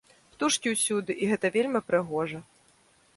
Птушкі ўсюды, і гэта вельмі прыгожа.